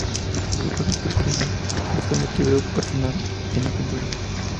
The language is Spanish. Interesado por la espiritualidad, busca su equilibrio personal en la pintura.